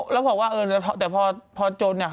แล้วบอกว่าแต่พอจนเนี่ย